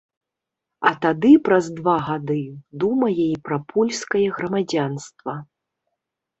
А тады праз два гады думае і пра польскае грамадзянства.